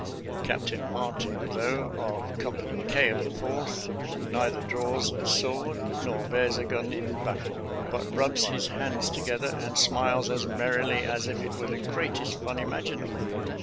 Captain Martin, though, of Company K of the Fourth, neither draws a sword nor bears a gun in battle, but rubs his hands together and smiles as merrily as if it were the greatest fun imaginable.